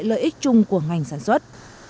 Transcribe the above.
lợi ích chung của ngành sản xuất